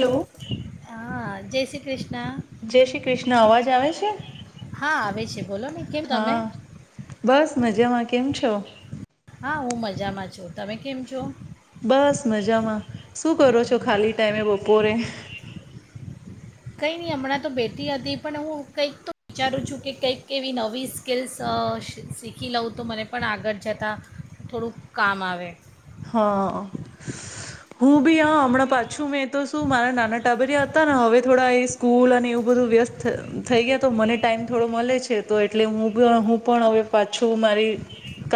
Hello હા. જય શ્રી કૃષણ. જય શ્રી કૃષ્ણ અવાજ આવે છે હા આવે છે બોલો ને કેમ તમે હા બસ મજામાં. કેમ છો. હા હું મજામાં છું તમે કેમ છો. બસ મજામાં શું કરો છો ખાલી ટાઈમે બપોરે. કંઈ નહીં હમણાં તો બેઠી હતી પણ હું કંઈક તો વિચારું છું કે કંઈક એવી નવી સ્કિલ્સ શીખી લઉં તો મને પણ આગળ જતાં થોડુંક કામ આવે. હા હું બી હા હમણાં પાછું મેં તો શું મારા નાના ટાબરિયા હતા ને હવે થોડા એ સ્કૂલ અને એવું બધું વ્યસ્ત થઈ ગયા તો મને ટાઈમ થોડો મળે છે તો એટલે હું હું પણ હવે પાછું મારી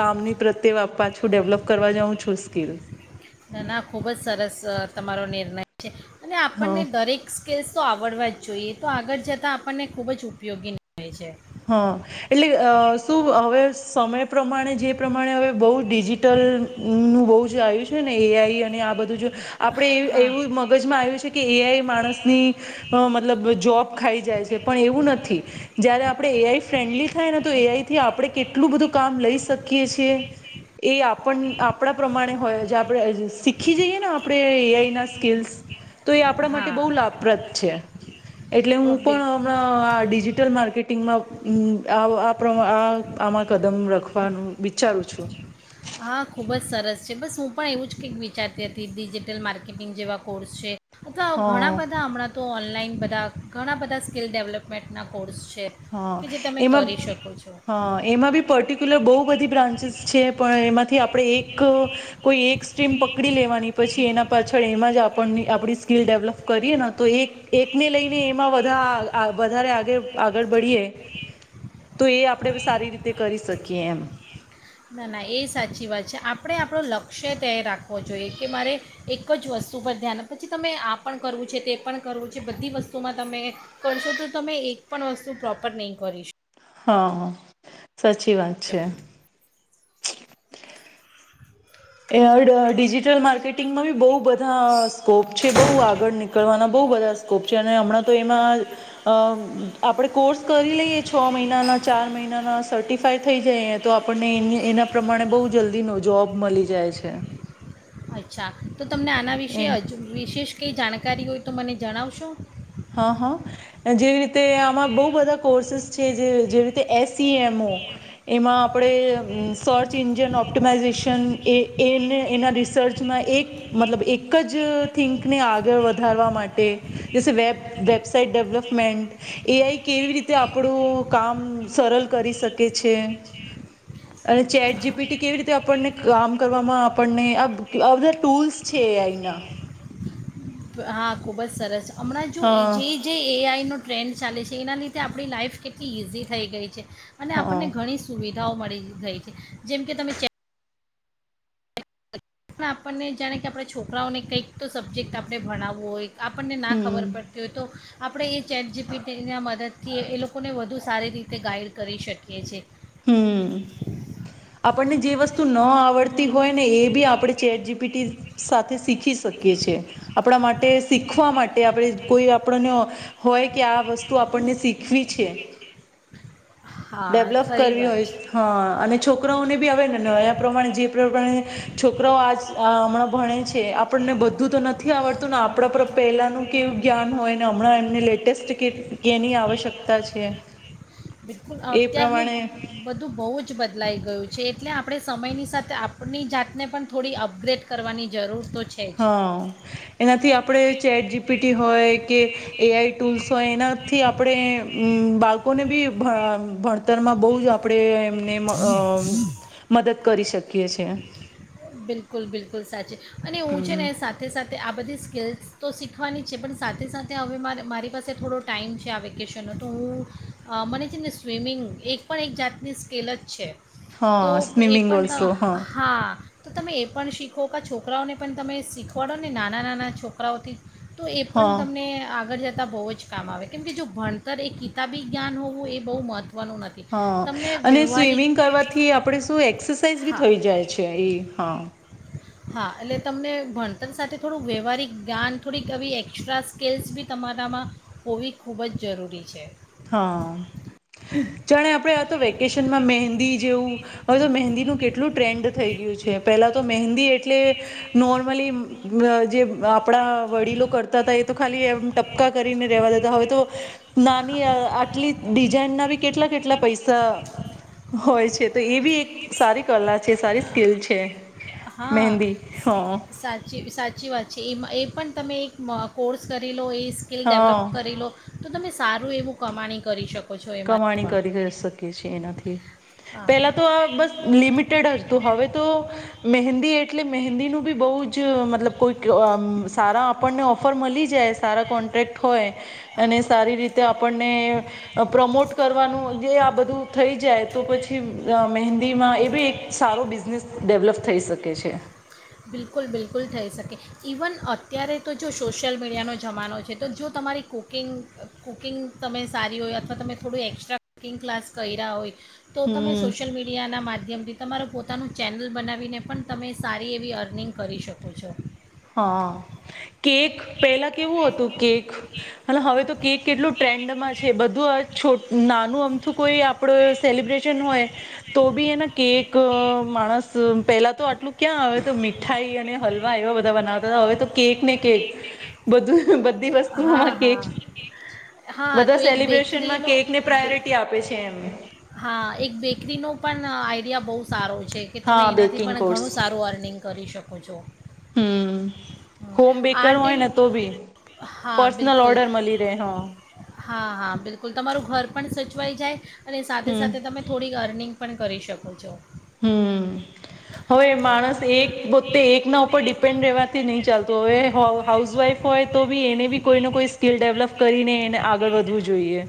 કામની પ્રત્યે પાછું ડેવલપ કરવા જાઉં છું. મુશ્કીલ ના ના ખુબ જ સરસ તમારો નિર્ણય છે. અને હા આપણને દરેક સ્કીલ્સ તો આવડવા જ જોઈએ તો આગળ જતા આપણને ખુબ જ ઉપયોગી હોય છે. હા એટલે શું હવે સમય પ્રમાણે જે પ્રમાણે હવે બહુ જ. ડિજિટલ નું બહુ જ આયું છે છે ને એઆઈ અને આ બધું જો આપડે હા એવું મગજમાં આવ્યું છે કે એઆઈ માણસની મતલબ જોબ ખાઈ જાય છે પણ એવું નથી જયારે આપ એઆઈ ફ્રેન્ડલી થાય ને તો એઆઈથી આપણે કેટલું બધું કામ લઈ શકીએ છીએ એ આપ પણ આપણા પ્રમાણે હોયે જ આપણે શીખી જઈએ આપણે એઆઈ ના સ્કિલ્સ તો એ આપણા માટે હા બહુ લાભપ્રદ છે એટલે ઓ, હું બિલ પણ હમણાં ડિજિટલ મા ટીંગ મા [unintelligible] આવુ આપ [unintelligible] આ આમાં કદમ રખવું પણ હું વિચારું છું હા ખૂબ જ સરસ છે બસ હું પણ એવું જ કંઈક વિચારતી હતી ડિજિટલ માર્કેટિંગ જેવા કોર્સ છે અથવા ઘણા હા બધા હમણાં તો ઓનલાઈન બ બધા ઘણા બધા સ્કીિલ ડેવલપમેન્ટના કોર્સ છે હઅ કે જે તમે એમાં કરી શકો છો હ એમાં બી પર્ટિક્યુલર બો બધી બ્રાન્ચિસ છે પણ પણ એમાંથી આપણે એક કોઈ એક સ્ટ્રીમ પકડી લેવાની પછી એના પાછળ એમાં જ આપણ આપણી સ્કીિલ ડેવલપ કરીએ ને તો એક એકને લઈને એમાં વધા વધારે આગે આ આગળ વરીયે તો એ આપણે સારી રીતે કરી શકીએ એમ ના ના એ સાચી વાત છે આપણે આપણો લક્ષ્ય તેય રાખવો જોઈએ કે મારે એક જ વસ્તુ પર ધ્યાન રાખવું છે પછી તમે આ પણ કરવું છે તે પણ કરવું છે બધી વસ્તુમાં તમે કરશો તો તમે એક પણ વસ્તુ પ્રોપર નહીં કરીશ હઅ સાચી વાત છે [inaudible] એ ડ ડિજિટલ માર્કેટિંગમાં બી બો બધુ બધા સ્કોપ છે બોહ આગળ નીકળવાના બોહ બધા કો છે અને હમણાં તો એમાં આપણે કોર્સ કરી લઈએ છ મહિનાના ચાર મહિનાના સર્ટિફાય થઈ જાય તો આપણને એના પ્રમાણે બહુ જલ્દી જોબ મળી જ જાય છે શકો અચ્છા તો તમને આના વિશે એમ વિશેષ કઈ જાણક કારી હોય તો મને જણાવશો હ હઅ જેવી રીતે આમાં બોહ બધા કોર્સસ જે જેવી રીતે એસ સી એમ ઓ એમાં આપણે સર્ચ ઈન્જિન ઓપ્ટમાઈઝેશન એ એના રિસર્ચમાં એક મતલબ એક જ થિંકને આગળ વધારવા માટે જેસે વેબ વેબસાાઈટ ડેવલપમેન્ટ એઆઈ કેવી રીતે આપણું કામ સરળ કરી શકે છે અને ચેટ જીપીટી કેવી રીતે આપણને કામ કરવામાં આપણને આ બધા ટૂલ્સ છે એઆઈના હા ખૂબ જ સરસ હમણાં જો હા જે જે એ આઈનો ટ્રેન્ડ ચાલે છે જે એના લીધે આપણી લાઇફ કેટલી ઇઝી થઈ ગઈ છે અને હા આપણને ઘણી સુવિ વિધાઓ મળી ગઈ છે જેમ કે તમે ચે પણ આપણને જાણે કે આપણે છોકરાઓને કંઈક તો સબ્જેક્ટ આપણે ભણાવવો હોય આપણને ના હમ ખબર પડતી હોય તો આપણે એ ચેટ જીપીટીના મદદથી એ લોકોને વધુ સારી રીતે ગાઈડ કરી શકીએ છીએ હમ્મ આપણને જે વસ્તુ ન આવડતી હોય ને એ બી આપણે ચેટ જીપીટી સાથે શીખી શકીએ છે આપણા માટે શીખવા માટે આપણે કોઈ આપણને હોય કે આ વસ્તુ આપણને શીખવી છે હા ડેવલપ ખરી કરવી વાત છે હોય હા અને છોકરા ઓને બી હવે એ નયા પ્રમાણે જે પ્રમાણે છોકરો આજ અહ હમણાં ભણે છે આપણને બધું તો નથ નથી આવડતું નો આપડા પર પહેલાનું કેવું જ્ઞાન હોય ને હમણાં એમને લેટેસ્ટ કે-કેની આવશ્યકતા છે. બિલકુલ એ અત્યારનું પ્રમાણે બધું બહુ જ બદલાઈ ગયું છે, એટલે આપણે સમયની સાથે આપણી જાતને પણ થોડી અપગ્રેડ કરવાની જરૂર તો છે જ હં, એનાથી આપણે ચેટ જીપીટી હોય કે એઆઈ ટૂલ્સ હોય એનાથી આપણે બાળકોને બી ભ ભણતરમાં બહુ જ આપણે ને મ અ મદદ કરી શકીએ છીએ. બિલકુલ બિલકુલ સાચે. અને એવું છે ને હમ સાથે સાથે આ બધી સ્કીલ તો શીખવાની જ છે પણ સાથે સાથે હવે મા મારી પાસે થોડો ટાઈમ છે આ વેકેશનનો તો હું મને છે ને સ્વિમિંગ એક પણ એક જાતની સ્કિલ જ છે. તો હા એ સ્વિમિંગ પણ ઓલ્સો હા. એ પણ શીખો કા છોકરાઓને પણ તમે શીખવાડો ને નાના નાના છોકરાઓથી. તો એ પણ હા તમને આગળ જત તા બહુ જ કામ આવે કેમ કે જો ભણતર એ કિતાબી જ્ઞાન હોવું એ બહુ મહ હા અને સ્વિમિંગ કરવાથી આપણેે શું એક્સરસાઇઝ બી હા થઈ જાય છે. એ હા. હા એટલે તમને ભણતર સાથે થોડુંક વ્યવહારિક જ્ઞાન થોડીક આવી એસ્ટ્રા સ્કીલ્સ બી તમારામાં હોવી ખૂબ જ જરૂરી છે. હા, જાણે આપણે આ તો વેકેશનમાં મહેંદી જેવું હવે તો મહેંદીનું કેટલું ટ્રેન્ડ થઈ ગયું છે પેલા તો મહેંદી એટલે નોર્મલી જે આપણા વડીલો કરતા હતા એ તો ખાલી એમ ટપ કા કરીને રેવા દતા હવે તો ના. આટલી ડિઝાઇન ના બી કેટલા કેટલા પૈસા હોય છે તો એ બી એક સારી કલા છે, સારી સ્કીલ છે. હા મહેંદી હ સાચી સાચી વાત છે. એમાં એ પણ તમે એક કોર્સ કરી લો એ સ્કીલ ડેવલપ હ કરી લો. તો તમે સારું એવું કમાણી કરી શક કમાણી કરી શકે છે એનાથી. થી. હા પેલા તો આ બસ લિમિટ [unintelligible] હવે તો મેહદી એટલે મહેદી નું બી બવ જ મતલબ કો સારા આપણને ઓફર મળી જાય સારા કોન્ટેક્ટ હોય અને સારી રીતે આ પણને પ્રમોટ કરવાનું જે આ બધું થઈ જાય તો પછી અ મહેંદીમાં એ બી એક સારો બિઝનેસ ડેવલપ થઈ શકે છે. બિલકુલ બિલકુલ થઈ શકે. ઇવન અત્યારે તો જો સોશિયલ મીડિયાનો જમાનો છે તો જો તમારી કુકિંગ કુકિંગ તમે સારી હોય અથવા તમે થોડું એક્સ્ટ્રા કુકિંગ ક્લાસ કર્યા હોય તો તમે હમ સોશિયલ મીડિયાના માધ્ માધ્યમથી તમારો પોતાનું ચેનલ બનાવીને પણ તમે સા રી એવી અર્નિંગ કરી શકો છો. હા કેક પહેલા કેવું હતું કેક અને હવે તો કેક કેટલું ટ્રેન્ડમાં છે બધું આ છૂટ નાનું અમથું કોઈ આપડુ સેલિબ્રેશન હોય તો બી એના કે એક માણસ પેલા તો આટલું ક્યાં આવે તો મીઠાઈ અને હલવા એવા બ ધા બનાવતા હવે તો કેક ને કેક બધું બધી હા વસ્તુઓમાં હા કેક હા તો બધા એક સેલિબ્રેશનમાં બેકરીનો કેકને પ્રાયોરિટી આપે છે એમ. હા એક બેકરીનો પણ આઈડિયા બહુ સારો. છે કે તમે હા એનાથી બેકિંગ પણ કોર્સ ઘણું સારું અર્નિંગ કરી શકો. પૂછો. હમ હં હોમ બેકર આટ હોય ને એન તો બી હા પર્સનલ બિલકુલ ઓર્ડર મળી રહે હા હા હા બિલકુલ તમારું ઘર પણ સચવાઈ જાય અને સાથે હમ સાથે તમે થોડીક અર્નિંગ પણ કરી શકો છો. હમ, હવે હા માણસ એક પોતે એક ના ઉપર ડી- રેવાથી નહી. ચાલતું હવે હા હાઉસવાઈફ હોય તો બી એને બી કોઈ કોઈ સ્કીલ ડેવલપ કરીને એને આગળ વધવું જોઈએ.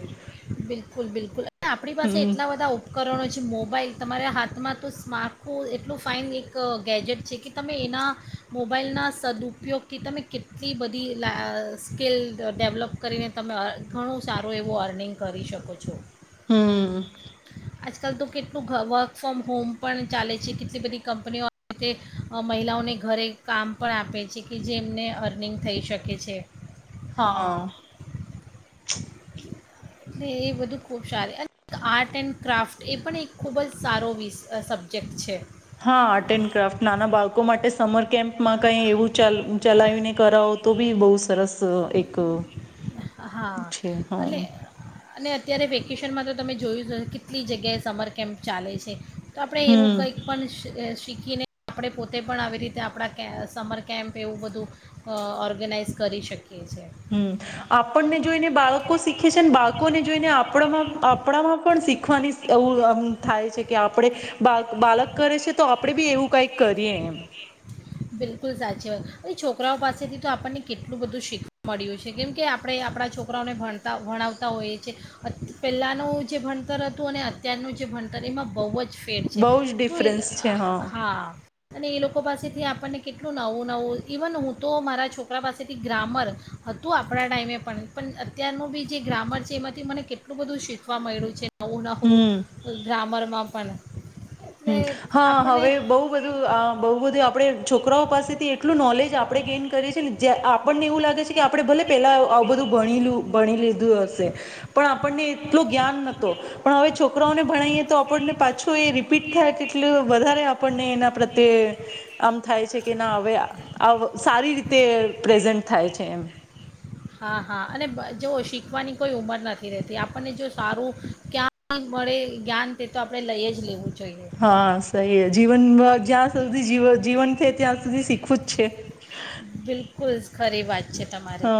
બિલકુલ બિલકુલ આપણી પાસે હમ એટલા બધા ઉપકરણો છે. મોબાઈલ તમારા હાથમાં તો સ્માર્કું એટલું ફાઇન એક ગેજેટ છે કે તમે એના મોબાઈલના સદઉપયોગથી તમે કેટલી બધી લા સ્કીલ ડેવલપ કરીને તમે ઘણું સારો એવો અર્નિંગ કરી શકો છો. હમ્મ. આજકાલ તો કેટલું અહ વર્ક ફ્રોમ હોમ પણ ચાલે છે કેટલી બધી કંપનીઓ અહ તે મહિલાઓને ઘરે કામ પણ આપે છે કે જેમને અર્નિંગ થઈ શકે છે. હા. એટલે એ બધું ખૂબ સારું અને આર્ટ એન્ડ ક્રાફ્ટ એ પણ એક ખૂબ જ સારો વિશ અહ સબ્જેક્ટ છે. હા આર્ટ એન્ડ ક્રાફ્ટ નાના બાળકો માટે સમર કેમ્પમાં કઈ એવું ચલ ચલાવીને કરાવો તો બી બહુ અહ સરસ એક અહ છે હા. ત્યારે વેકેશનમાં તો તમે જોયું છો કેટલી જગ્યાએ સમર કેમ્પ ચાલે છે. તો આપડે એવું હમ કંઈક પણ સે શ શીખીને આપડે પોતે પણ આવી રીતે આપડા કે અસ સમર કેમ્પ એવું બધું અહ ઓર્ગેનાઈઝ કરી શકીએ છીએ. હમ્મ, આપણને જોઈને બાળકો શીખે છે ને બાળકોને જોઈને આપણામાં આપણામાં પણ શીખવાની એઉ થાય છે કે આપણે બા બાળક કરે છે તો આપડે બી એવું કઈક કરીએ એમ બિલકુલ સાચી હોય છોકરાઓ પાસેથી તો આપણને કેટલું બધું શીખવા મળ્યું છે કેમ કે આપણે આપણા છોકરાઓને ભણતા ભણાવતા હોઈએ છીએ પહેલાંનું જે ભણતર હતું અને અત્યારનું જે ભણતર એમાં બહુ જ ફેર છે બહુ જ તો એ ડિફરન્સ છે હા અને એ લોક લોકો પાસેથી આપણને કેટલું નવું નવું ઈવન હું તો મારા છોકરા પાસેથી ગ્રામર હતું આપણા ટાઈમે પણ પણ અત્યારનું બી જે ગ્રામર છે એમાંથી મને કેટલું બધું શીખવા મળ્યું છે નવું નવુહ હમ હ ગ્રામર માં પણ હમ્મ હા આપણને હવે બહુ બધું બહુ બધું આપણેે છોકરાઓ પાસેથી એટલું નોલેજ આપણે ગેઈન કરીએ છી ને જે આપણને એવું લાગે છે કે આપણે ભલે પેલા આવું બધુ ભણી ભણી લીધું હશે પણ આ આપણને એટલુ જ્ઞાન નોતું પણ હવે છોકરાઓને ભણાઈએ તો આપણને પાછો એ રપીટ થાય તેટલ વધારે આપને એના પ્રત્યે આમ થાય છે કે ના હવે આવ સારી રીતે પ્રેઝન્ટ થાય છે એમ હા હા અને જો શીખવાની કોઈ ઉમર નથી રહેતી આપણને જો સારું ક્યાં મળે જ્ઞાન તે તો આપણે લઈ જ લેવું જોઈએ હા સહી હૈ જીવન જ્યાં સુધી જે ત્યાં સુધી શીખવું જ છે [inaudible] બિલકુલ ખરી વાત છે તમારી હઅ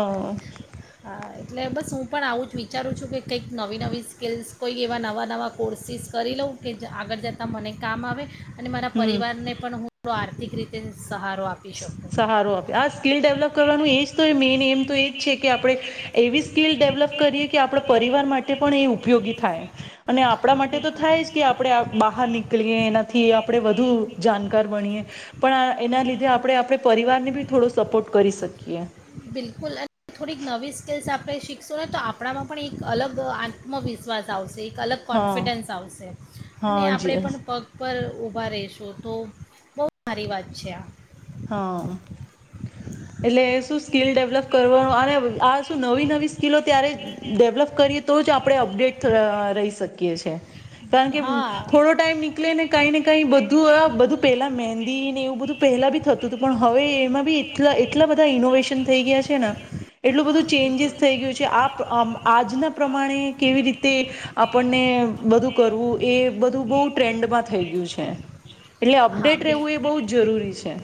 હા એટલે બસ હું પણ આવું જ વિચારું છું કે કંઈક નવી નવી સ્કિલ્સ કોઈ એવા નવા નવા કોર્સિસ કરી લઉં કે આગળ જતાં મને કામ આવે અને મારા હમ પરિવાર ને પણ હું થોડો આર્થિક રીતે સહારો આપી શકું સહારો આપી આ સ્કીિલ ડેવલપ કરવાનું એજ તો મેઇન એમ તો એ જ છે કે આપણે એ આવી સ્કીલ ડેવલપ કરીએ કે આપણા પરિવાર માટે પણ એ ઉપયોગી થાય અને આપણા માટે તો બિલકુલ થાય જ કે આપણે બહાર નીકળીએ એના થી આપણે વધુ જાણકાર બણીએ પણ એના લીધે આપણે આપણે પરિવારને બી થોડો સપોર્ટ કરી શકીએ બિલકુલ અને થોડીક નવી સ્કિલ્સ આપણે શીખશું ને તો આપણામાં પણ એક અલગ આત્મવિશ્વાસ આવશે એક અલગ હા કોન્ફિડન્સ આવશે અને હા આપણે જી પણ પગ પર ઉ ઉભા રહેશો તો બો હારી વાત છે આ હા એટલે શું સ્કીિલ ડેવલપ કરવાનું અને આ શું નવી નવી સ્કીિલો ત્યારે ડેવલપ કરીએ તો જ આપણે અપડેટ રહી શકીએ છે. કારણ કે હા થોડો ટાઈમ નીકળે ને કઈ ને કઈ બધું આ બધું પેલા મહેંદી ને એવું બધું પહેલા બી થતું હતું પણ હવે એમાં બી એલા એટલા બધા ઈનોવેશન થઈ ગયા છે ને એટલું બધું ચેન્જીસ બિલકુલ થઈ ગયું છે આપ અમ આજના પ્રમાણે કેવી રીતે આપણને બધું કરવું એ બધું બહુ ટ્રેન્ડમાં થઈ ગયું છે. એટલે હા અપડેટ બિલ રહેવું એ બહુ જ જરૂરી છે.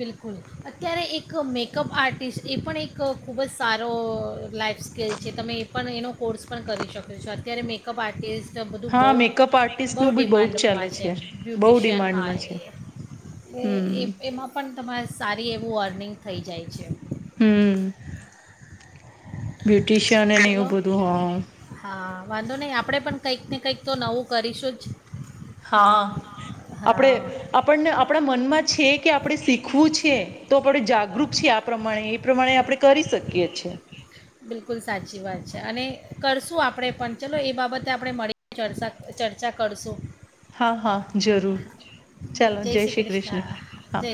બિલકુલ અત્યારે એક મેકઅપ આર્ટિસ્ટ એ પણ એક ખૂબ જ સારો અહ લાયક સ્કીલ છે તમે એ પણ એનો કોર્સ પણ કરી શકે છે. અત્યારે મેકઅપ આર્ટિસ્ટ તો બધું બહુ હા મેકઅપ બહુ આર્ટિસ્ટનું બી જ ચાલે ડિમાન્ડમાં છે બહુ બ્યુટિશિયન ડિમાન્ડમાં છે હા એ એ હમ એમાં પણ સારી એવું અર્નિંગ થઈ જાય છે. હં બ્યુટિશિયન અને એવું ચલો બધું હં. હા વાંધો નહીં આપણે પણ કંઈક ને કંઈક તો નવું કરીશું જ. હા. આપણે હા આપણને આપણા મનમાં છે કે આપણે શીખવું છે તો આપણે જાગરૂક છીએ, આ પ્રમાણે એ પ્રમાણે આપણે કરી શકીએ છીએ. બિલકુલ સાચી વાત છે અને કરશું આપણે પણ ચલો એ બાબતે આપણે મળી ચર્ચા ચર્ચા કરશું. હા હા જરૂર ચાલો જય શ્રી કૃષ્ણ. હા,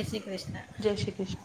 જય શ્રી કૃષ્ણ.